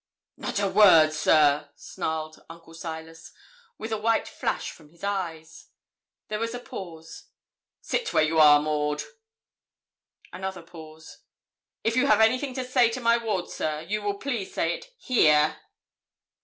'Not a word, sir,' snarled Uncle Silas, with a white flash from his eyes. There was a pause. 'Sit where you are, Maud.' Another pause. 'If you have anything to say to my ward, sir, you will please to say it here.'